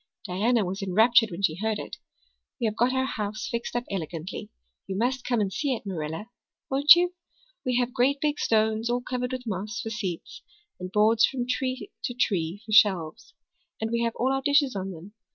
Diana was enraptured when she heard it. We have got our house fixed up elegantly. You must come and see it, Marilla won't you? We have great big stones, all covered with moss, for seats, and boards from tree to tree for shelves. And we have all our dishes on them.